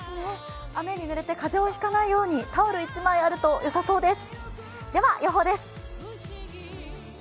雨にぬれて風邪をひかないようにタオル一枚あるとよさそうです。